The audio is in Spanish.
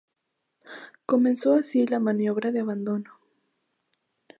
Comenzó así la maniobra de abandono.